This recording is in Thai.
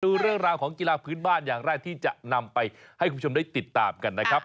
ดูเรื่องราวของกีฬาพื้นบ้านอย่างแรกที่จะนำไปให้คุณผู้ชมได้ติดตามกันนะครับ